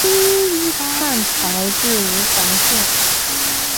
汉朝置吴房县。